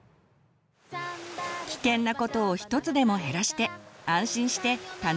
危険なことを一つでも減らして安心して楽しく遊べるといいですね。